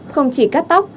không chỉ cắt tóc